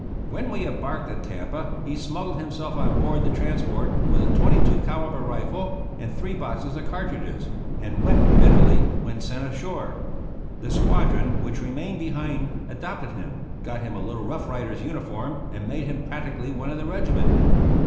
When we embarked at Tampa he smuggled himself on board the transport with a 22 calibre rifle and three boxes of cartridges, and wept bitterly when sent ashore. The squadron which remained behind adopted him, got him a little Rough Rider's uniform, and made him practically one of the regiment.